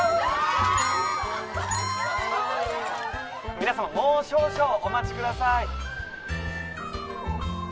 皆さまもう少々お待ちください。